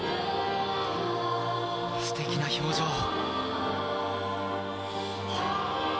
すてきな表情。